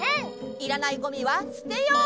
いらないゴミはすてよう！